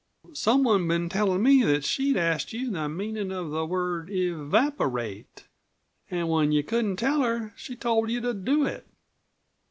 Some one'd been tellin' me that she'd asked you the meanin' of the word 'evaporate.' An' when you couldn't tell her she told you to do it.